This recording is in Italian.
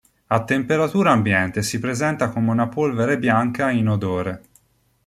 A temperatura ambiente si presenta come una polvere bianca inodore.